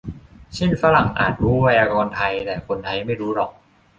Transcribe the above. เช่นฝรั่งอาจรู้ไวยากรณ์ไทย แต่คนไทยไม่รู้หรอก